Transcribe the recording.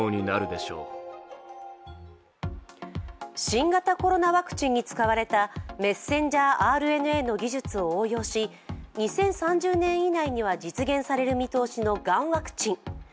新型コロナワクチンに使われたメッセンジャーＲＮＡの技術を応用し、２０３０年以内には実現される見通しのがんワクチン。